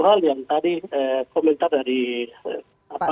saya ingin mengingatkan kepada pak timo